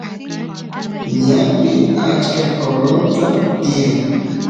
ñanpi achka qoronta tiyan